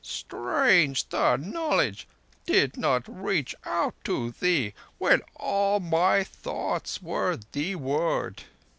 "Strange the knowledge did not reach out to thee, when all my thoughts were theeward."